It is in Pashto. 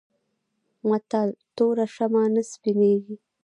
متل: توره شمه نه سپينېږي.